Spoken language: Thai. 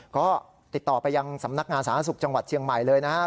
ก็ติดต่อไปยังสำนักงานสาธารณสุขจังหวัดเชียงใหม่เลยนะครับ